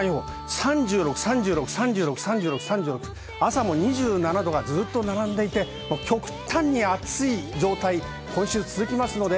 ３６度、朝も２７度がずっと続いていて極端に暑い状態が今週続きます。